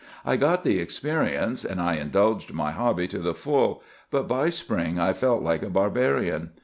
I got the experience, and I indulged my hobby to the full; but by spring I felt like a barbarian.